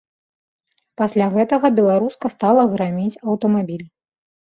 Пасля гэтага беларуска стала граміць аўтамабіль.